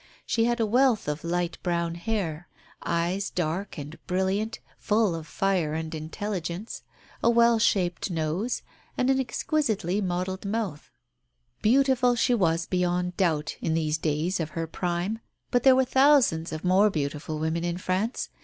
She had a wealth of light brown hair, eyes dark and brilliant, full of fire and intelligence, a well shaped nose, and an exquisitely modelled mouth. Beautiful she was beyond doubt, in these days of her prime; but there were thousands of more beautiful women in France.